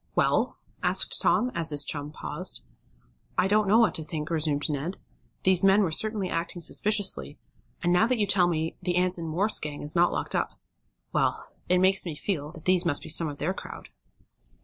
"Well?" asked Tom, as his chum paused. "I don't know what to think," resumed Ned. "These men were certainly acting suspiciously, and, now that you tell me the Anson Morse gang is not locked up well, it makes me feel that these must be some of their crowd."